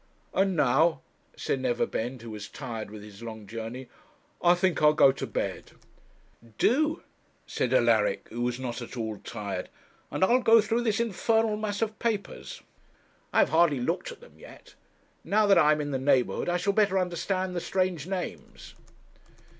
'And now,' said Neverbend, who was tired with his long journey, 'I think I'll go to bed.' 'Do,' said Alaric, who was not at all tired, 'and I'll go through this infernal mass of papers. I have hardly looked at them yet. Now that I am in the neighbourhood I shall better understand the strange names.'